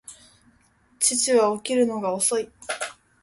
父は起きるのが遅い